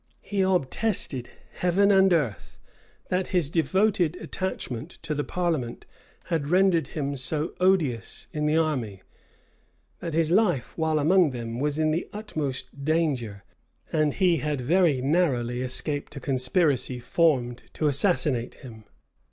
He obtested heaven and earth, that his devoted attachment to the parliament had rendered him so odious in the army, that his life, while among them, was in the utmost danger; and he had very narrowly escaped a conspiracy formed to assassinate him.